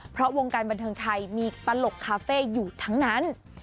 เพราะวงการบันเทิงไทยมีตลกคาเฟ่อยู่ทั้งนั้น